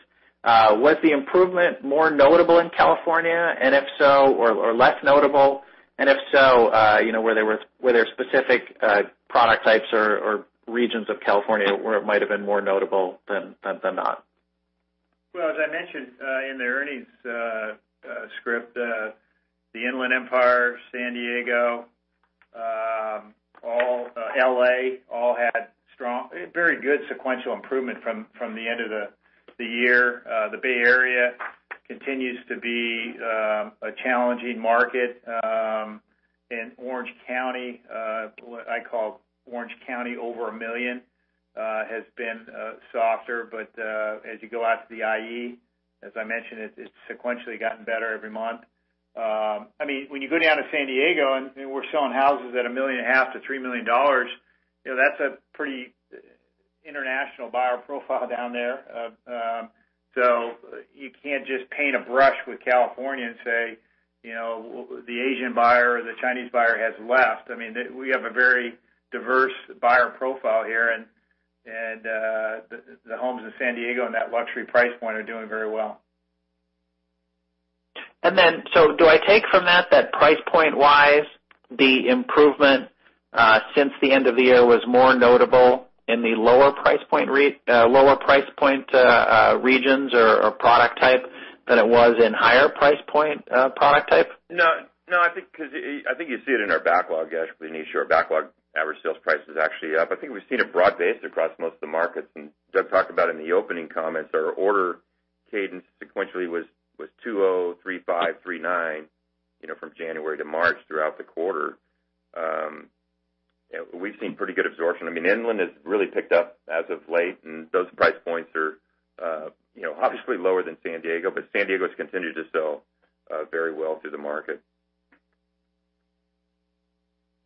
Was the improvement more notable in California, or less notable? If so, were there specific product types or regions of California where it might have been more notable than not? As I mentioned in the earnings script, the Inland Empire, San Diego, L.A., all had very good sequential improvement from the end of the year. The Bay Area continues to be a challenging market. Orange County, what I call Orange County over $1 million, has been softer. As you go out to the IE, as I mentioned, it's sequentially gotten better every month. When you go down to San Diego and we're selling houses at $1.5 million-$3 million That's a pretty international buyer profile down there. You can't just paint a brush with California and say, the Asian buyer or the Chinese buyer has left. We have a very diverse buyer profile here, and the homes in San Diego in that luxury price point are doing very well. Do I take from that that price point-wise, the improvement since the end of the year was more notable in the lower price point regions or product type than it was in higher price point product type? No, I think you see it in our backlog, actually, Nish. Our backlog average sales price is actually up. I think we've seen it broad-based across most of the markets, Doug talked about in the opening comments, our order cadence sequentially was 2.0, 3.5, 3.9 from January to March throughout the quarter. We've seen pretty good absorption. Inland has really picked up as of late, those price points are obviously lower than San Diego, San Diego has continued to sell very well through the market.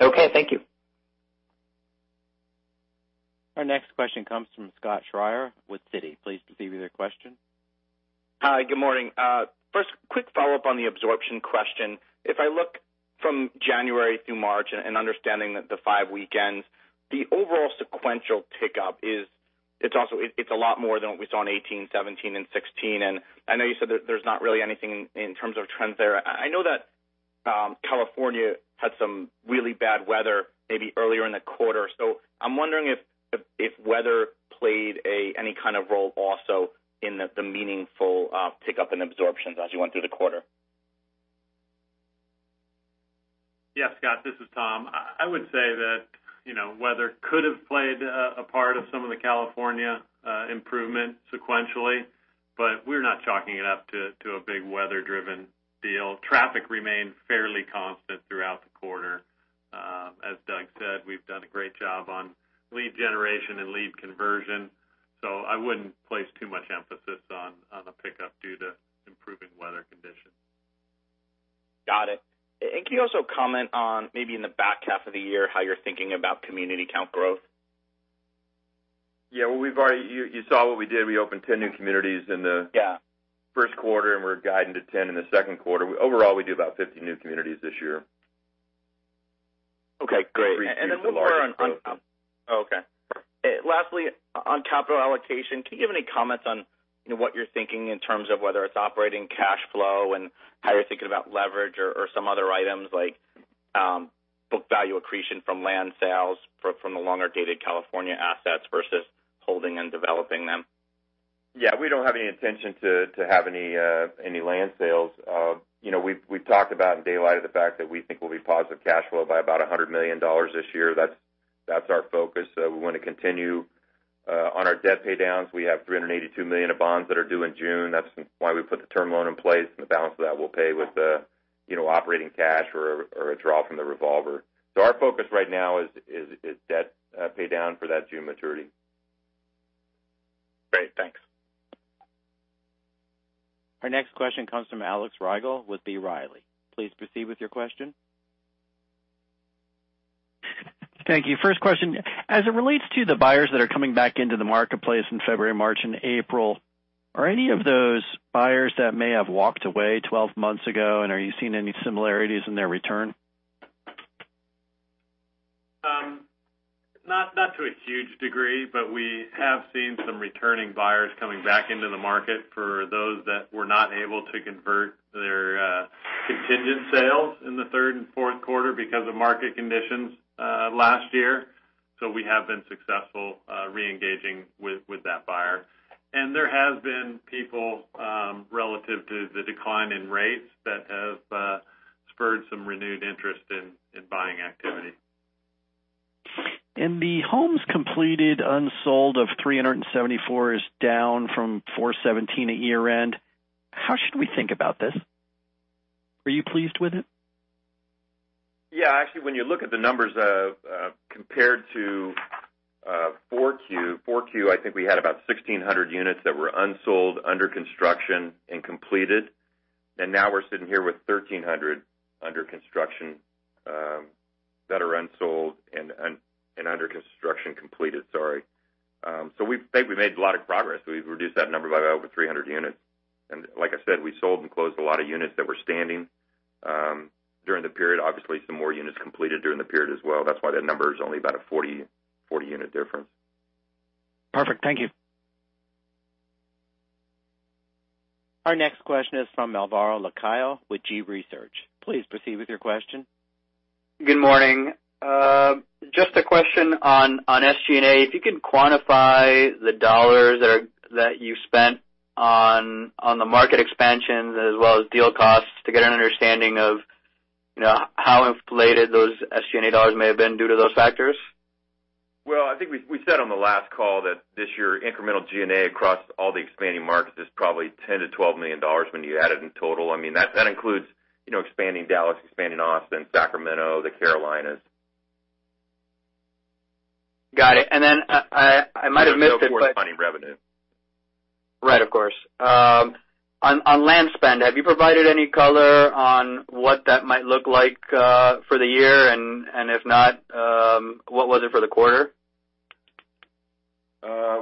Okay. Thank you. Our next question comes from Scott Schrier with Citi. Please proceed with your question. Hi, good morning. First, quick follow-up on the absorption question. If I look from January through March and understanding that the five weekends, the overall sequential tick up, it's a lot more than what we saw in 2018, 2017, and 2016. I know you said that there's not really anything in terms of trends there. I know that California had some really bad weather maybe earlier in the quarter. I'm wondering if weather played any kind of role also in the meaningful pickup in absorptions as you went through the quarter. Yes, Scott, this is Tom. I would say that weather could have played a part of some of the California improvement sequentially, we're not chalking it up to a big weather driven deal. Traffic remained fairly constant throughout the quarter. As Doug said, we've done a great job on lead generation and lead conversion, I wouldn't place too much emphasis on the pickup due to improving weather conditions. Got it. Can you also comment on maybe in the back half of the year, how you're thinking about community count growth? Yeah. You saw what we did. We opened 10 new communities in. Yeah first quarter, we're guiding to 10 in the second quarter. Overall, we do about 50 new communities this year. Okay, great. Three to four are on Okay. Lastly, on capital allocation, can you give any comments on what you're thinking in terms of whether it's operating cash flow and how you're thinking about leverage or some other items like book value accretion from land sales from the longer-dated California assets versus holding and developing them? Yeah. We don't have any intention to have any land sales. We've talked about in daylight of the fact that we think we'll be positive cash flow by about $100 million this year. That's our focus. We want to continue on our debt pay downs. We have $382 million of bonds that are due in June. That's why we put the term loan in place, and the balance of that we'll pay with operating cash or a draw from the revolver. Our focus right now is debt pay down for that June maturity. Great. Thanks. Our next question comes from Alex Rygiel with B. Riley. Please proceed with your question. Thank you. First question. As it relates to the buyers that are coming back into the marketplace in February, March, and April, are any of those buyers that may have walked away 12 months ago, and are you seeing any similarities in their return? Not to a huge degree, but we have seen some returning buyers coming back into the market for those that were not able to convert their contingent sales in the third and fourth quarter because of market conditions last year. We have been successful reengaging with that buyer. There have been people, relative to the decline in rates, that have spurred some renewed interest in buying activity. The homes completed unsold of 374 is down from 417 at year-end. How should we think about this? Are you pleased with it? Yeah. Actually, when you look at the numbers compared to 4Q, I think we had about 1,600 units that were unsold, under construction, and completed. Now we're sitting here with 1,300 under construction that are unsold and under construction completed, sorry. We think we made a lot of progress. We've reduced that number by over 300 units. Like I said, we sold and closed a lot of units that were standing during the period. Obviously, some more units completed during the period as well. That's why that number is only about a 40-unit difference. Perfect. Thank you. Our next question is from Alvaro Lacayo with G.research. Please proceed with your question. Good morning. Just a question on SG&A. If you can quantify the dollars that you spent on the market expansions as well as deal costs to get an understanding of how inflated those SG&A dollars may have been due to those factors. Well, I think we said on the last call that this year, incremental G&A across all the expanding markets is probably $10 million-$12 million when you add it in total. That includes expanding Dallas, expanding Austin, Sacramento, the Carolinas. Got it. Then I might have missed it. Right, of course. On land spend, have you provided any color on what that might look like for the year? If not, what was it for the quarter?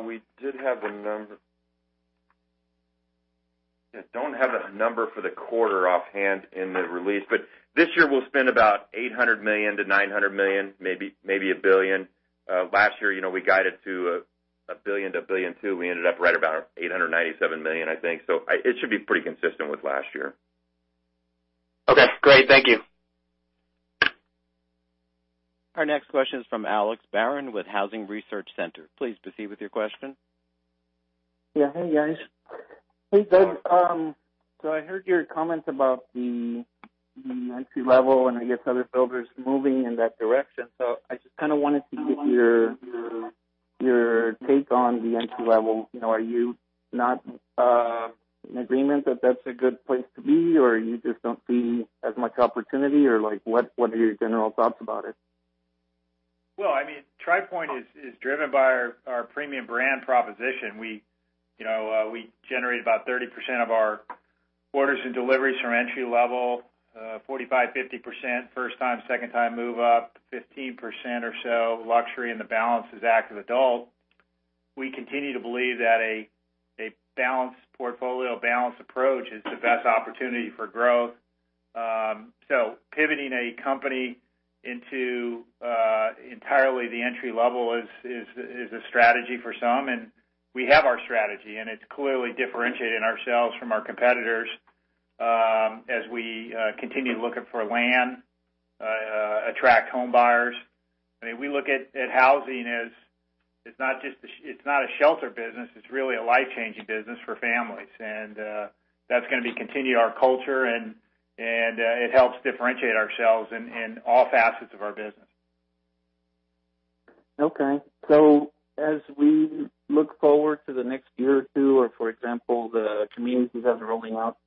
We did have the number. I don't have a number for the quarter offhand in the release, but this year we'll spend about $800 million to $900 million, maybe $1 billion. Last year, we guided to $1 billion to $1.2 billion. We ended up right about $897 million, I think. It should be pretty consistent with last year. Okay, great. Thank you. Our next question is from Alex Barron with Housing Research Center. Please proceed with your question. Hey, guys. Hey, Doug. I heard your comments about the entry-level and I guess other builders moving in that direction. I just kind of wanted to get your take on the entry-level. Are you not in agreement that that's a good place to be, or you just don't see as much opportunity, or what are your general thoughts about it? Well, Tri Pointe is driven by our premium brand proposition. We generate about 30% of our orders and deliveries from entry-level, 45%, 50% first-time, second-time move up, 15% or so luxury, and the balance is active adult. We continue to believe that a balanced portfolio, balanced approach is the best opportunity for growth. Pivoting a company into entirely the entry-level is a strategy for some, and we have our strategy, and it's clearly differentiating ourselves from our competitors as we continue looking for land, attract home buyers. We look at housing as, it's not a shelter business. It's really a life-changing business for families, and that's going to be continued in our culture, and it helps differentiate ourselves in all facets of our business. Okay. As we look forward to the next year or two, or for example, the communities that are rolling out,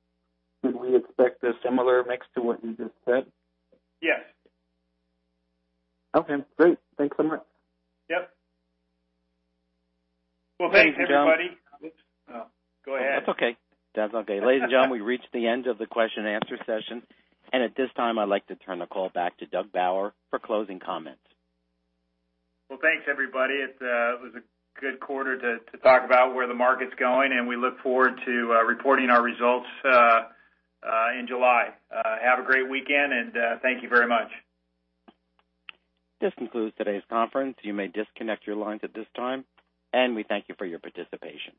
should we expect a similar mix to what you just said? Yes. Okay, great. Thanks so much. Yep. Well, thanks, everybody. Ladies and gentlemen. Go ahead. That's okay. Ladies and gentlemen, we've reached the end of the question and answer session, and at this time, I'd like to turn the call back to Doug Bauer for closing comments. Well, thanks, everybody. It was a good quarter to talk about where the market's going, and we look forward to reporting our results in July. Have a great weekend, and thank you very much. This concludes today's conference. You may disconnect your lines at this time, and we thank you for your participation.